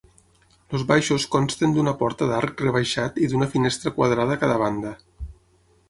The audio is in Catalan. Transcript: Els baixos consten d'una porta d'arc rebaixat i d'una finestra quadrada a cada banda.